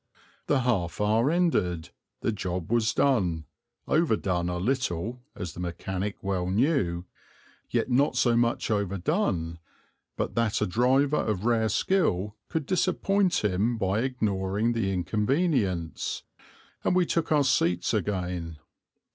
The half hour ended; the job was done; overdone a little, as the mechanic well knew, yet not so much overdone but that a driver of rare skill could disappoint him by ignoring the inconvenience; and we took our seats again.